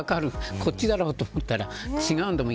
こっちだろうと思ったら違うんだもんね。